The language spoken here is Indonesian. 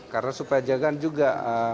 karena supaya jangan juga